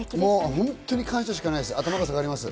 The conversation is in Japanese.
本当、感謝しかないです。